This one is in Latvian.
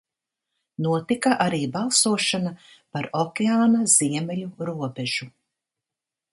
Notika arī balsošana par okeāna ziemeļu robežu.